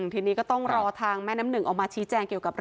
ทีนี้ก็ต้องรอทางแม่น้ำหนึ่งออกมาชี้แจงเกี่ยวกับ